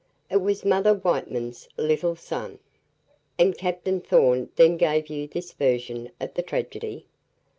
"It was Mother Whiteman's little son." "And Captain Thorn then gave you this version of the tragedy?"